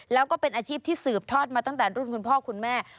แล้วก็เป็นอาชีพที่สืบทอดมาตั้งแต่รุ่นคุณพ่อคุณแม่